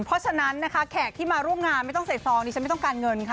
เพราะฉะนั้นนะคะแขกที่มาร่วมงานไม่ต้องใส่ซองดิฉันไม่ต้องการเงินค่ะ